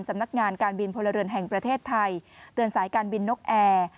สำนักงานการบินพลเรือนแห่งประเทศไทยเตือนสายการบินนกแอร์